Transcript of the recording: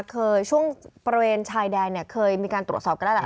เคยช่วงประเวณชายแดงเนี่ยเคยมีการตรวจสอบก็ได้แหละ